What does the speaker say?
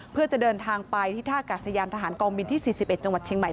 เพื่อจะเดินทางไปที่ท่ากาศยานทหารกองบินที่๔๑จังหวัดเชียงใหม่